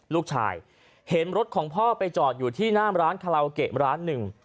ลูกชายเห็นรถของพ่อไปจอดอยู่ที่หน้าร้านคาราโอเกะร้านหนึ่ง